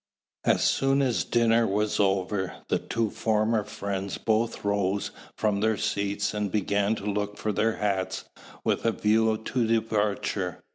As soon as dinner was over, the two former friends both rose from their seats, and began to look for their hats, with a view to departure.